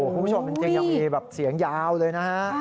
คุณผู้ชมจริงยังมีแบบเสียงยาวเลยนะฮะ